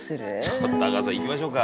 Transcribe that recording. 「ちょっと阿川さん行きましょうか」